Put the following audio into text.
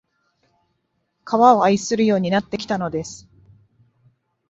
川を愛するようになってきたのです